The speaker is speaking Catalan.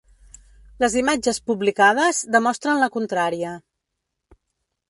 Les imatges publicades demostren la contrària.